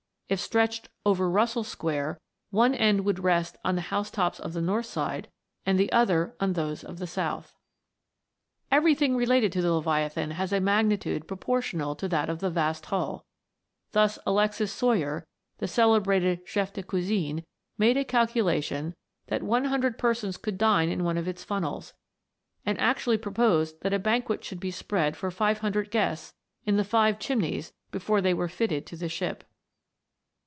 If stretched over Russell square, one end would rest on the house tops of the north side, and the other on those of the south. Everything relating to the Leviathan has a mag nitude proportional to that of the vast hull; thus Alexis Soyer, the celebrated chef de cuisine, made a calculation that one hundred persons could dine in one of its funnels, and actually proposed that a banquet should be spread for five hundred guests in the five chimneys before they were fitted to the ship.